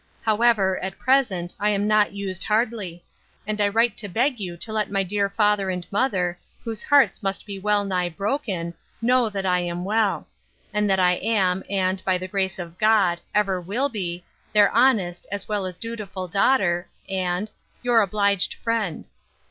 However, at present, I am not used hardly; and I write to beg you to let my dear father and mother, whose hearts must be well nigh broken, know that I am well; and that I am, and, by the grace of God, ever will be, their honest, as well as dutiful daughter, and 'Your obliged friend.